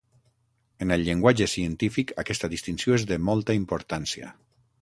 En el llenguatge científic aquesta distinció és de molta importància.